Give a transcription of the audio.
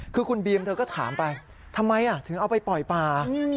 คือคุณบีมเธอก็ถามไปทำไมถึงเอาไปปล่อยป่า